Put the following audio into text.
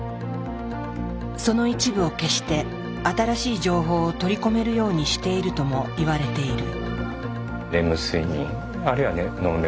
その一部を消して新しい情報を取り込めるようにしているともいわれている。